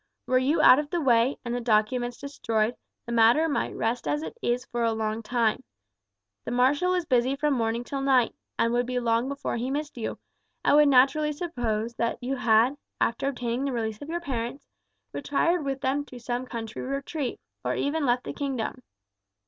Were you out of the way, and the documents destroyed, the matter might rest as it is for a long time. The marshal is busy from morning till night, and would be long before he missed you, and would naturally suppose that you had, after obtaining the release of your parents, retired with them to some country retreat, or even left the kingdom.